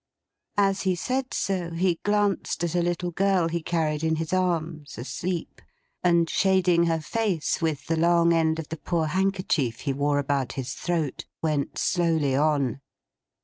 As he said so, he glanced at a little girl he carried in his arms, asleep: and shading her face with the long end of the poor handkerchief he wore about his throat, went slowly on.